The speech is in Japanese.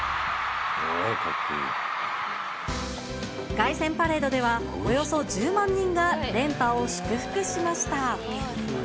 凱旋パレードでは、およそ１０万人が連覇を祝福しました。